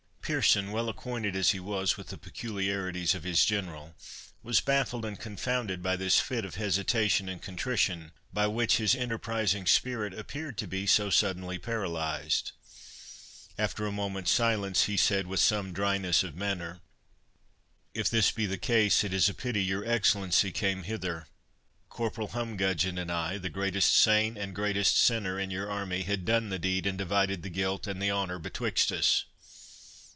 Pearson, well acquainted as he was with the peculiarities of his General, was baffled and confounded by this fit of hesitation and contrition, by which his enterprising spirit appeared to be so suddenly paralysed. After a moment's silence, he said, with some dryness of manner, "If this be the case, it is a pity your Excellency came hither. Corporal Humgudgeon and I, the greatest saint and greatest sinner in your army, had done the deed, and divided the guilt and the honour betwixt us."